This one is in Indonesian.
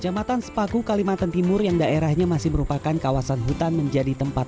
jamatan sepaku kalimantan timur yang daerahnya masih merupakan kawasan hutan menjadi tempat